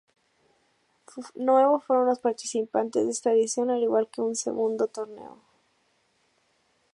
Nueve fueron los participantes de esta edición, al igual que en el segundo torneo.